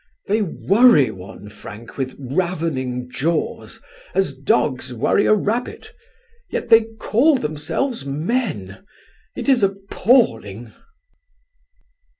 They worry one, Frank, with ravening jaws, as dogs worry a rabbit. Yet they call themselves men. It is appalling."